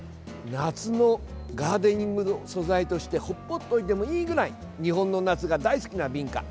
夏のガーデニングの素材としてほっぽっといてもいいぐらい日本の夏が大好きなビンカ。